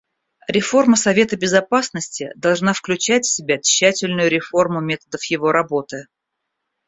Реформа Совета Безопасности должна включать в себя тщательную реформу методов его работы.